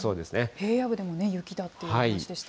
平野部でも雪だっていう話でした。